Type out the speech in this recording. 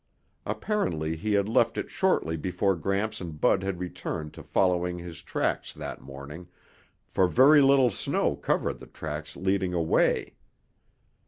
Apparently he had left it shortly before Gramps and Bud had returned to following his tracks that morning, for very little snow covered the tracks leading away.